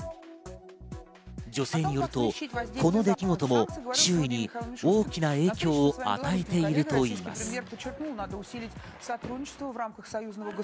女性によると、この出来事も周囲に大きな影響を与えているといいます。